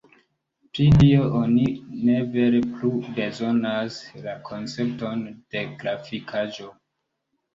Pri tio oni ne vere plu bezonas la koncepton de grafikaĵo.